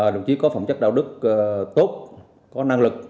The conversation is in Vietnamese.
đồng chí có phẩm chất đạo đức tốt có năng lực